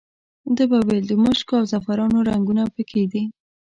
ده به ویل د مشکو او زعفرانو رنګونه په کې دي.